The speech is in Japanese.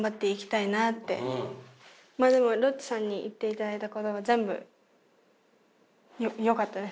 でもロッチさんに言っていただいたことは全部よかったです。